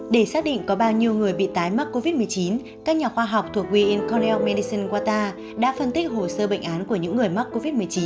để xác định có bao nhiêu người bị tái mắc covid một mươi chín các nhà khoa học thuộc we in cornell medicine qatar đã phân tích hồ sơ bệnh án của những người mắc covid một mươi chín